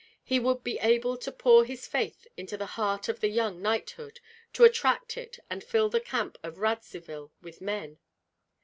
He would be able to pour his faith into the heart of the young knighthood, to attract it and fill the camp of Radzivill with men.